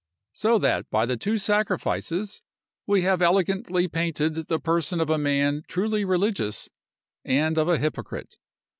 So that by the two sacrifices we have elegantly painted the person of a man truly religious, and of an hypocrite.